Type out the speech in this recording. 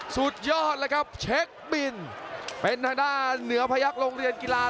สุดยอดแล้วครับเช็คบินเป็นทางด้านเหนือพยักษ์โรงเรียนกีฬา